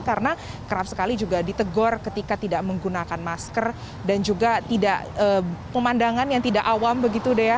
karena kerap sekali juga ditegor ketika tidak menggunakan masker dan juga tidak pemandangan yang tidak awam begitu dea